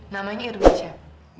namanya irwin siapa